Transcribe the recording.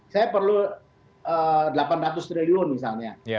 saya perlu delapan ratus triliun misalnya